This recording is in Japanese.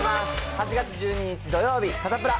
８月１２日土曜日、サタプラ。